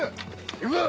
行くぞ！